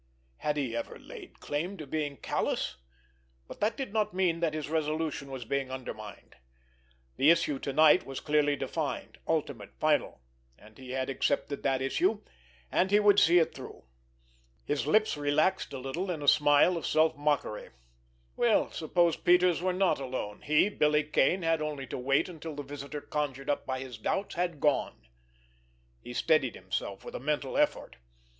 Had he ever laid claim to being callous? But that did not mean that his resolution was being undermined. The issue to night was clearly defined, ultimate, final, and he had accepted that issue, and he would see it through. His lips relaxed a little in a smile of self mockery. Well, suppose Peters were not alone he, Billy Kane, had only to wait until the visitor conjured up by his doubts had gone. He steadied himself with a mental effort.